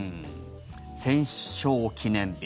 戦勝記念日。